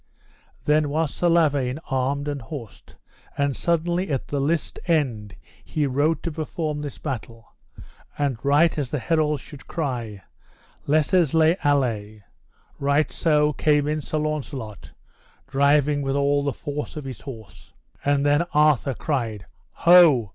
Then was Sir Lavaine armed and horsed, and suddenly at the lists' end he rode to perform this battle; and right as the heralds should cry: Lesses les aler, right so came in Sir Launcelot driving with all the force of his horse. And then Arthur cried: Ho!